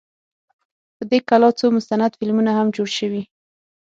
په دې کلا څو مستند فلمونه هم جوړ شوي.